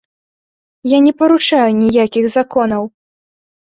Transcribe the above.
Я не парушаю ніякіх законаў.